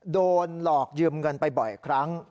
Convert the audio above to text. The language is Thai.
โดนหลอกยืมเงินไปบ่อยครั้ง